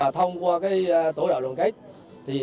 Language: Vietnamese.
thông qua tổ đội đoàn kết